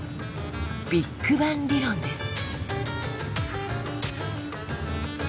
「ビッグバン理論」です。